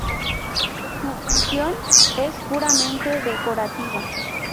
Su función es puramente decorativa.